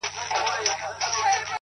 لوړ هدفونه انسان لوړوي’